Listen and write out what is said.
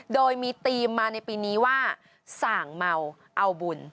โดยมีธีมมาในปีนี้ว่าส่างเมาเอาบุญ